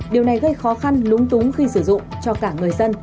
điều này gây khó khăn lúng túng khi sử dụng cho cả người dân